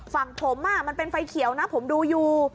ฝั่งผมมันเป็นไฟเขียวนะผมดูอยู่